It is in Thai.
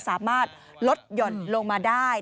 สามารถลดหย่อนลงมาได้